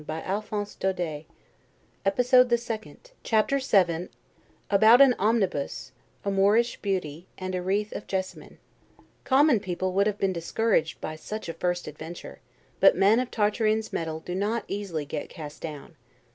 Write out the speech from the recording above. "Game fellows!" It made Tartarin think of Captain Bravida. VII. About an Omnibus, a Moorish Beauty, and a Wreath of Jessamine. COMMON people would have been discouraged by such a first adventure, but men of Tartarin's mettle do not easily get cast down.